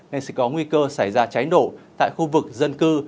nên sẽ có nguy cơ xảy ra cháy nổ tại khu vực dân cư